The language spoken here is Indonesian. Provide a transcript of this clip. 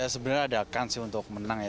sebenarnya ada kan sih untuk menang ya